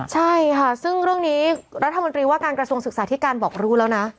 ใช่ค่ะซึ่งเรื่องนี้รัฐมนตรีว่าการกระทรวงศึกษาธิการบอกรู้แล้วนะ